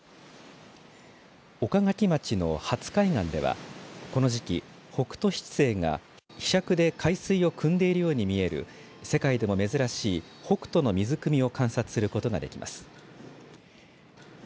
岡垣町の波津海岸ではこの時期、北斗七星がひしゃくで海水をくんでいるように見える世界でも珍しい北斗の水くみを観察することができます。